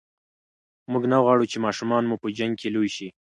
موږ نه غواړو چې ماشومان مو په جنګ کې لوي شي.